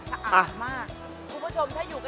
สะอาดมากคุณผู้ชมถ้าอยู่กับ